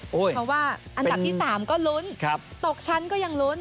เพราะว่าอันดับที่๓ก็ลุ้นตกชั้นก็ยังลุ้น